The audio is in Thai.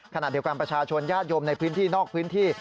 ขณะเดียวกันประชาชนญาติโยมในพื้นที่นอกพื้นที่